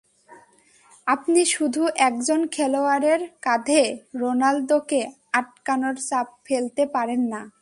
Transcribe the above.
আপনি শুধু একজন খেলোয়াড়ের কাঁধে রোনালদোকে আটকানোর চাপ ফেলতে পারেন না।